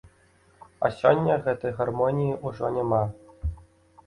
А сёння гэтай гармоніі ўжо няма.